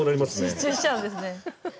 集中しちゃうんですね。